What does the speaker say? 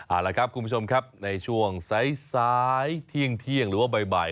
อาละครับคุณผู้ชมครับในช่วงสายสายเที่ยงเที่ยงหรือว่าบ่ายบ่าย